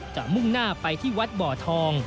มุ่งหน้าไปที่วัดบ่อทอง